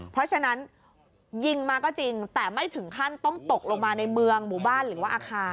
เพราะฉะนั้นยิงมาก็จริงแต่ไม่ถึงขั้นต้องตกลงมาในเมืองหมู่บ้านหรือว่าอาคาร